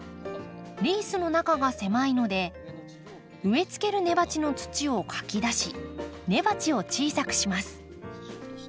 リースの中が狭いので植えつける根鉢の土をかき出し根鉢を小さくします。